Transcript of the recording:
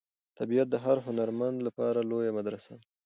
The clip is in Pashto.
طبیعت د هر هنرمند لپاره لویه مدرسه ده.